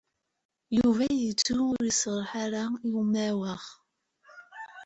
Yuba yettu ur iserreḥ ara i umawaɣ.